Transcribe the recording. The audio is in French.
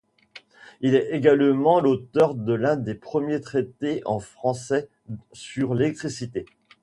Il est également l’auteur de l’un des premiers traités en français sur l’électricité.